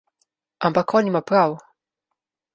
Ampak on ima prav.